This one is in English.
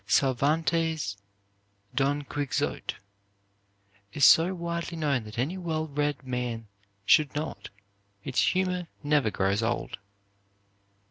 Cervantes' "Don Quixote" is so widely known that any well read man should know it. Its humor never grows old.